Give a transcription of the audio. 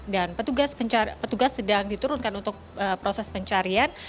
petugas sedang diturunkan untuk proses pencarian